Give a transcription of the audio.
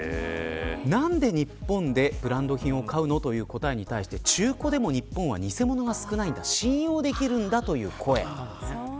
なぜ日本でブランド品を買うのという答えに対して中古でも日本は偽物が少なく信用できるという声です。